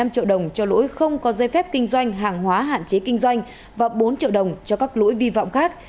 hai mươi hai năm triệu đồng cho lỗi không có dây phép kinh doanh hàng hóa hạn chế kinh doanh và bốn triệu đồng cho các lỗi vi vọng khác